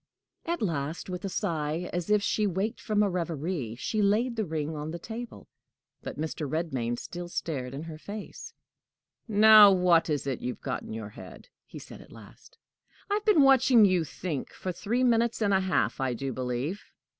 At last, with a sigh, as if she waked from a reverie, she laid the ring on the table. But Mr. Redmain still stared in her face. "Now what is it you've got in your head?" he said at last. "I have been watching you think for three minutes and a half, I do believe.